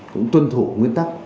cũng tuân thủ nguyên tắc